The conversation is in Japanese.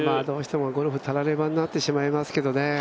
どうしてもゴルフは、たらればになってしまいますけどね